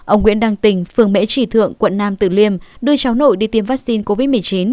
ông nguyễn đăng tình phường mễ trì thượng quận nam tử liêm đưa cháu nội đi tiêm vaccine covid một mươi chín